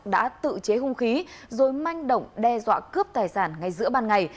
đã tự chế hung khí rồi manh động đe dọa cướp tài sản ngay giữa ban ngày